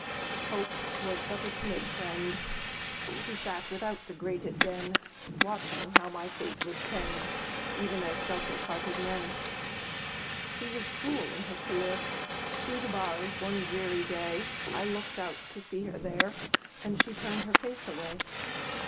Hope Was but a timid friend; She sat without the grated den, Watching how my fate would tend, Even as selfish hearted men. She was cruel in her fear; Through the bars one dreary day, I looked out to see her there, And she turned her face away!